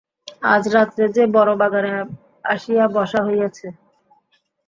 আজ রাত্রে যে বড়ো বাগানে আসিয়া বসা হইয়াছে?